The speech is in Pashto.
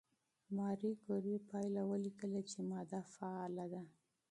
ماري کوري پایله ولیکله چې ماده فعاله ده.